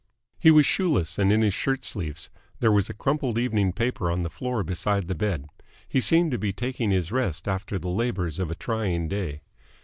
He was shoeless and in his shirt sleeves. There was a crumpled evening paper on the floor beside the bed. He seemed to be taking his rest after the labours of a trying day.